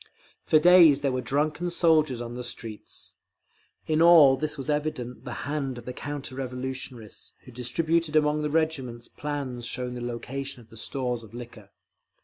For days there were drunken soldiers on the streets…. In all this was evident the hand of the counter revolutionists, who distributed among the regiments plans showing the location of the stores of liquor.